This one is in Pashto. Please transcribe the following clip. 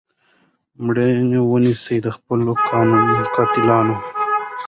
مرۍ ونیسو د خپلو قاتلانو